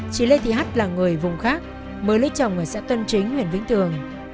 chị lê thị h là người vùng khác mới lấy chồng ở xã tân chính nguyễn vĩnh tường